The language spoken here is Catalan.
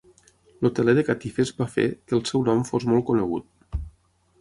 El teler de catifes va fer que el seu nom fos molt conegut.